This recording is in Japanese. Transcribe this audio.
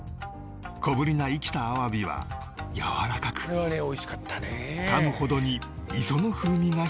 小ぶりな生きたあわびはやわらかくかむほどに磯の風味が広がります